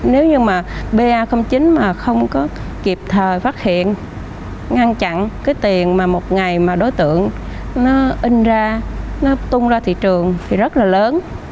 nếu như mà ba chín mà không có kịp thời phát hiện ngăn chặn cái tiền mà một ngày mà đối tượng nó in ra nó tung ra thị trường thì rất là lớn